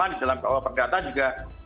di dalam kawah perdata juga